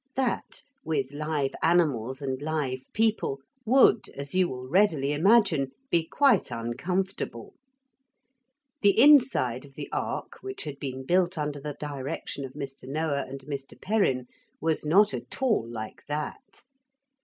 That, with live animals and live people, would, as you will readily imagine, be quite uncomfortable. The inside of the ark which had been built under the direction of Mr. Noah and Mr. Perrin was not at all like that.